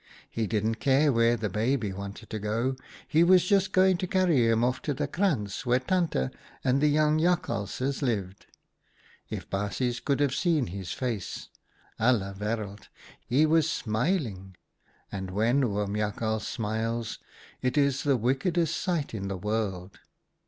He didn't care where the baby wanted to go ; he was just going to carry him off to the krantz where Tante and the young Jakhalses lived. If baasjes could have seen his face ! Alle wereld ! he was smiling, and when Oom Jak hals smiles, it is the wickedest sight in the world.